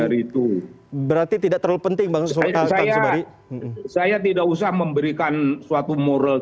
dari itu berarti tidak terlalu penting banget saya tidak usah memberikan suatu moral